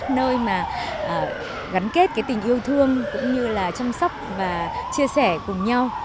nơi mà gắn kết cái tình yêu thương cũng như là chăm sóc và chia sẻ cùng nhau